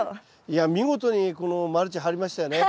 いや見事にこのマルチ張りましたよね。